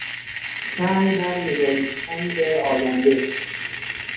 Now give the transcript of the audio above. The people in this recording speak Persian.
سعی بر نگریستن به آینده